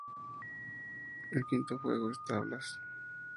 El quinto juego es tablas.